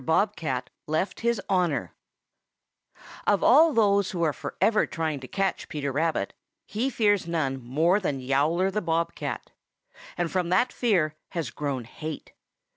BOB CAT LEFT HIS HONOR Of all those who are forever trying to catch Peter Rabbit, he fears none more than Yowler the Bob cat. And from that fear has grown hate.